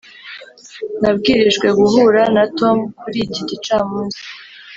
nabwirijwe guhura na tom kuri iki gicamunsi.